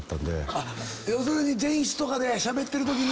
要するに前室とかでしゃべってるときに。